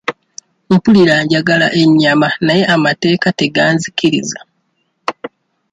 Mpulira njagala ennyama naye amateeka teganzikiriza.